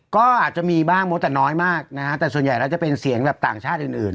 ก็อาจจะมีบ้างมดแต่น้อยมากนะฮะแต่ส่วนใหญ่แล้วจะเป็นเสียงแบบต่างชาติอื่น